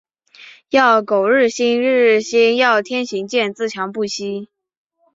要苟日新，日日新。要天行健，自强不息。